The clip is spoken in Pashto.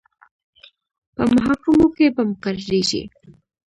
په محاکمو کې به مقرریږي.